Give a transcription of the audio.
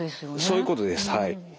そういうことです。